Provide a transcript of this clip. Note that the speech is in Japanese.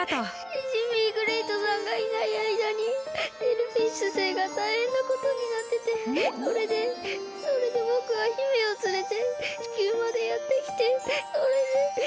シジミーグレイトさんがいないあいだにシェルフィッシュ星がたいへんなことになっててそれでそれでぼくは姫をつれて地球までやってきてそれで。